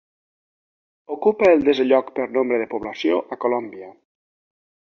Ocupa el desè lloc per nombre de població a Colòmbia.